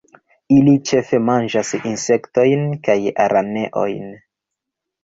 Ili ĉefe manĝas insektojn kaj araneojn.